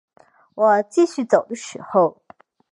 我继续走的时候